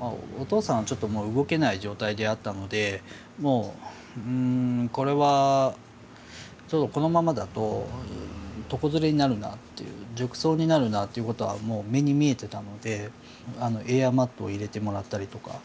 お父さんはちょっともう動けない状態であったのでもうこれはこのままだと床ずれになるなっていう褥瘡になるなっていうことはもう目に見えてたのでエアマットを入れてもらったりとか。